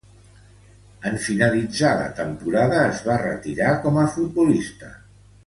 En finalitzar la temporada, es va retirar com a futbolista.